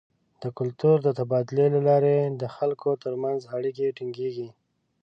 د کلتور د تبادلې له لارې د خلکو تر منځ اړیکې ټینګیږي.